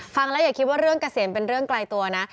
ฟังแล้วอย่าคิดว่าเรื่องเกษียณเป็นเรื่องไกลตัวนะ